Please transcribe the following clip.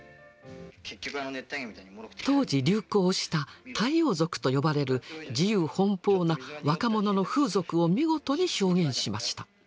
当時流行した「太陽族」と呼ばれる自由奔放な若者の風俗を見事に表現しました。